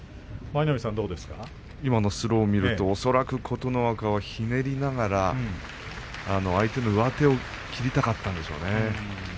今のスローを見ると琴ノ若は、左から相手の上手を切りたかったんでしょうね。